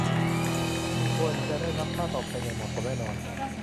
คุณควรจะได้รับค่าตอบแทนอย่างเหมาะสม แน่นอน